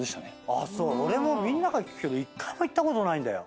俺もみんなから聞くけど１回も行ったことないんだよ。